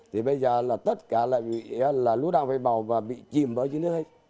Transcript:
thì bây giờ là tất cả là lũ đang phải bào và bị chìm vào dưới nước hết